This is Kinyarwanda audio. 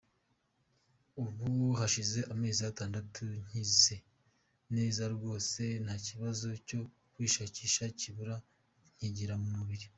Ubu hashize amezi atandatu nkize neza rwose ntakibazo cyo kwishakisha nkibura nkigira mu buriri.